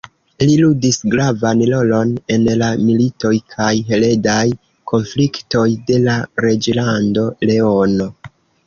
Li ludis gravan rolon en la militoj kaj heredaj konfliktoj de la Reĝlando Leono.